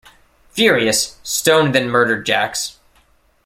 Furious, Stone then murdered Jax.